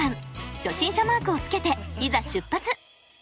初心者マークをつけていざ出発！